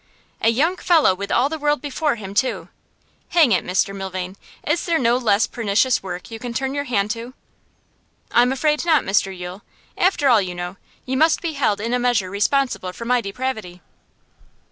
'A young fellow with all the world before him, too. Hang it, Mr Milvain, is there no less pernicious work you can turn your hand to?' 'I'm afraid not, Mr Yule. After all, you know, you must be held in a measure responsible for my depravity.